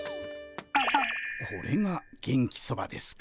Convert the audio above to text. これが元気そばですか。